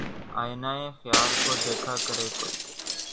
آئینۂ خیال کو دیکھا کرے کوئی